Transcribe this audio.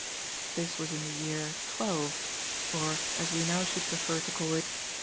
This was in the year XII. or, as we now should prefer to call it, 1804.